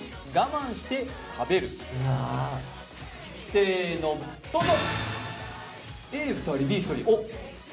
せーの、どうぞ。